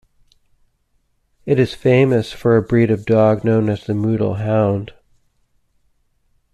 It is famous for a breed of dog known as the Mudhol Hound.